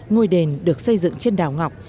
ngôi đền được xây dựng trên đào ngọc